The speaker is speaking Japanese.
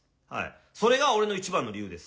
それが俺の一番の理由です。